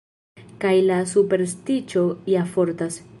Kaj la superstiĉo ja fortas.